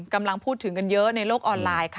กำลังพูดถึงกันเยอะในโลกออนไลน์ค่ะ